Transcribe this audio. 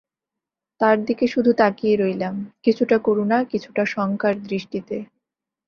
তার দিকে শুধু তাকিয়ে রইলাম, কিছুটা করুণা, কিছুটা শঙ্কার দৃষ্টিতে।